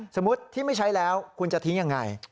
สมมุติที่ไม่ใช้แล้วคุณจะทิ้งยังไง